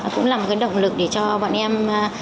cũng là một động lực để cho bọn em